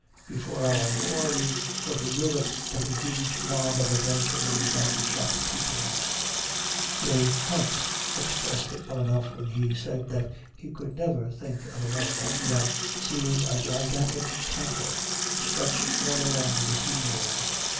Before our war we were to Europe but a huge mob of adventurers and shopkeepers. Leigh Hunt expressed it well enough when he said that he could never think of America without seeing a gigantic counter stretched all along the seaboard.